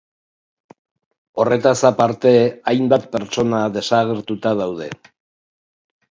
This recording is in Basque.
Horretaz aparte, hainbat pertsona desagertuta daude.